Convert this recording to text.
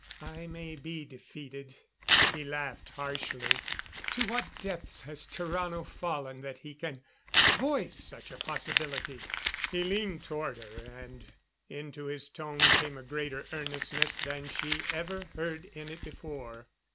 I may be defeated." He laughed harshly. "To what depths has Tarrano fallen that he can voice such a possibility!" He leaned toward her and into his tone came a greater earnestness than she ever heard in it before.